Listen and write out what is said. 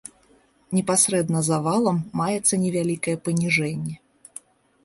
Непасрэдна за валам маецца невялікае паніжэнне.